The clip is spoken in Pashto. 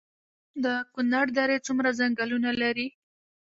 د کونړ درې څومره ځنګلونه لري؟